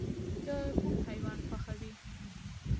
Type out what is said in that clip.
ته کوم حیوان خوښوې؟